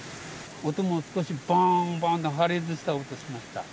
音も少し、ぼんぼんと破裂した音がしました。